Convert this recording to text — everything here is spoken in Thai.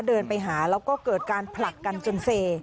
เดินไปหาแล้วก็เกิดการผลักกันจนเซ